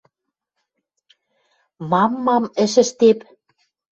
Мам-мам ӹш ӹштеп.